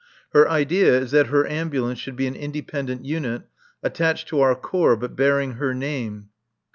Her idea is that her Ambulance should be an independent unit attached to our corps but bearing her name.